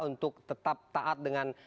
untuk tetap taat dengan